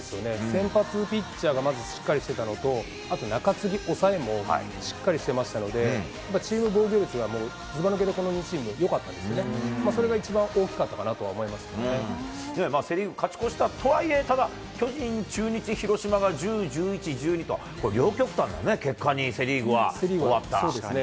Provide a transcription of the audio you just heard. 先発ピッチャーが、まずしっかりしてたのと、あと中継ぎ、抑えもしっかりしてましたので、やっぱりチーム防御率が、もうずば抜けてこの２チームよかったんでね、それが一番大きかっセ・リーグ勝ち越した、とはいえただ、巨人、中日、広島が１０、１１、１２と、これ両極端な結果に、セ・リーグは終わった。